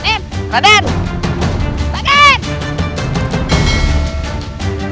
maksudnya bagilah aku